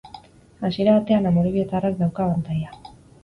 Hasiera batean amorebietarrak dauka abantaila.